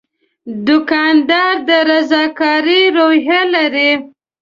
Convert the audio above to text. دوکاندار د رضاکارۍ روحیه لري.